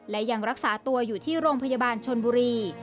และยังรักษาตัวอยู่ที่โรงพยาบาลชนบุรี